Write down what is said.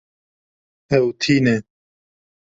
Ew tîne.